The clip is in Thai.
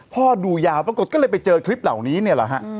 ดูยาวปรากฏก็เลยไปเจอคลิปเหล่านี้เนี่ยแหละฮะ